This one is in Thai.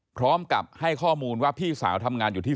พร้อมกับให้ข้อมูลว่าพี่สาวทำงานอยู่ที่